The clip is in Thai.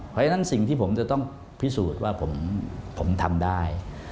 เพราะฉะนั้นสิ่งที่ผมจะต้องพิสูจน์ว่าผมทำได้